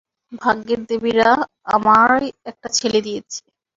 ভাগ্যের দেবীরা আমায় একটা ছেলে দিয়েছে।